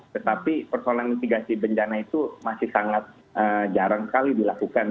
tetapi persoalan mitigasi bencana itu masih sangat jarang sekali dilakukan